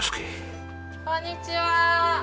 こんにちは。